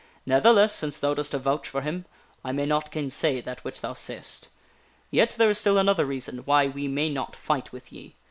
Ne'theless, since thou dost avouch for him, I may not gainsay that which thou sayest. Yet, there is still another reason why we may not fight with ye.